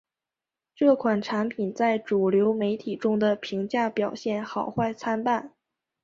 这款产品在主流媒体中的评价表现好坏参半。